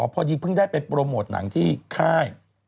พอดีเพิ่งได้ไปโปรโมทหนังที่ค่าย